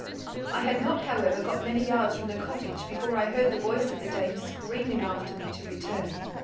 I had not, however, got many yards from the cottage before I heard the voice of the dame screaming after me to return.